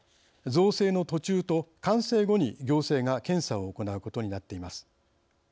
造成の途中と完成後に行政が検査を行うことになっています。